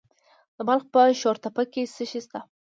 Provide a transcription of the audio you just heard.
د بلخ په شورتپه کې څه شی شته؟